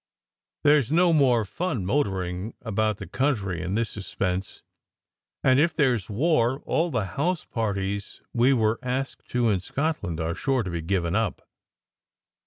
There s no more fun motoring about the coun try in this suspense; and if there s war, all the house parties we were asked to in Scotland are sure to be given up.